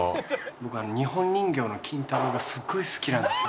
僕日本人形の金太郎がすごい好きなんですよ。